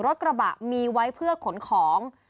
รถกระบะมีไว้เพื่อขนของ